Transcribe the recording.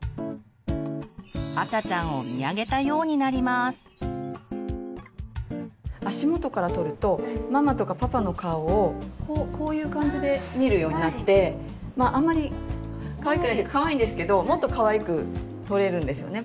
赤ちゃんを足元から撮るとママとかパパの顔をこういう感じで見るようになってまああんまりかわいくないというかかわいいんですけどもっとかわいく撮れるんですよね。